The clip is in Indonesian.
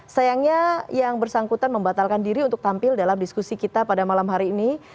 sayangnya yang bersangkutan membatalkan diri untuk tampil dalam diskusi kita pada malam hari ini